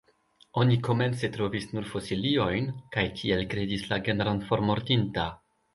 Oni komence trovis nur fosiliojn, kaj tiel kredis la genron formortinta.